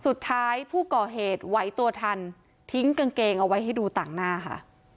สุดท้ายผู้ก่อเหตุไหวตัวทันทิ้งกางเกงเอาไว้ให้ดูต่างหน้าค่ะ